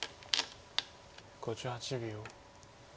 ５８秒。